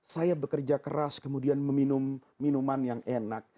saya bekerja keras kemudian meminum minuman yang enak